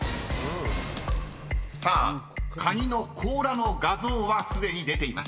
［さあカニの甲羅の画像はすでに出ています］